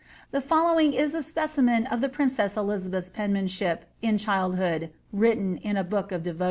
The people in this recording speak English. The following is a specimen of the princess Elizabeth's penmanship, in childhooc^ written in a book of devotion.'